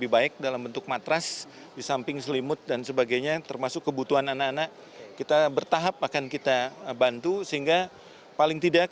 bersama saya ratu nabila